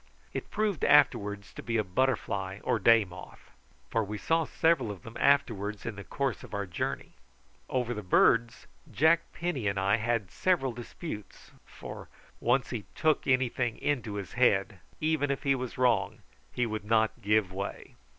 It proved afterwards to be a butterfly or day moth, for we saw several of them afterwards in the course of our journey. Over the birds Jack Penny and I had several disputes, for once he took anything into his head, even if he was wrong, he would not give way.